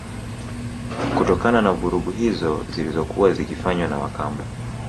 Kutokana na vurugu hizo zilizokuwa zikifanywa na Wakamba